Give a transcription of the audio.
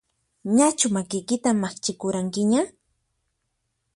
Ñachu makiykita maqchikuranqiña?